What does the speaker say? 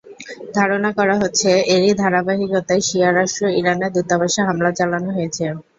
ধারণা করা হচ্ছে, এরই ধারাবাহিকতায় শিয়া রাষ্ট্র ইরানের দূতাবাসে হামলা চালানো হয়েছে।